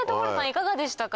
いかがでしたか？